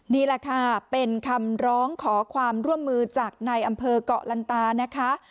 นี่แหละค่ะเป็นคำร้องขอความร่วมมือจากในอำเภอกเกาะลันตานะคะ